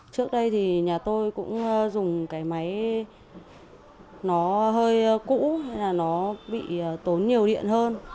trước đây thì nhà tôi cũng dùng cái máy nó hơi cũ là nó bị tốn nhiều điện hơn